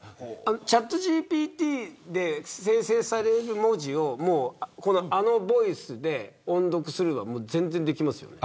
チャットＧＰＴで生成される文字をあのボイスで音読するのはできますよね。